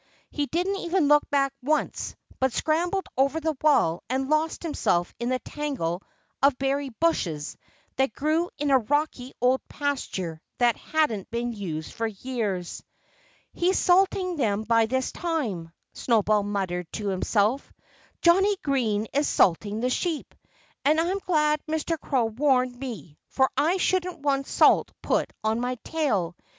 He didn't even look back once, but scrambled over the wall and lost himself in the tangle of berry bushes that grew in a rocky old pasture that hadn't been used for years. "He's salting them by this time," Snowball muttered to himself. "Johnnie Green is salting the sheep. And I'm glad Mr. Crow warned me, for I shouldn't want salt put on my tail.